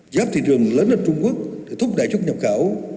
giáp thị trường lớn hơn trung quốc để thúc đẩy trúc nhập khảo